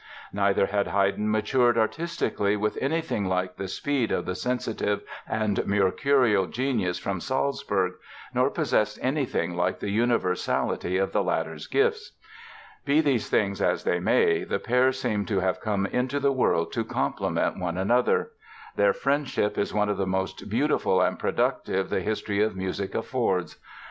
Neither had Haydn matured artistically with anything like the speed of the sensitive and mercurial genius from Salzburg, nor possessed anything like the universality of the latter's gifts. Be these things as they may, the pair seemed to have come into the world to complement one another. Their friendship is one of the most beautiful and productive the history of music affords.